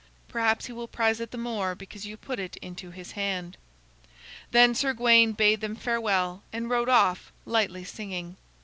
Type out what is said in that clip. Perhaps he will prize it the more because you put it into his hand." Then Sir Gawain bade them farewell and rode off, lightly singing.